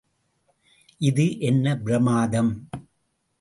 இது என்ன பிரமாதம்!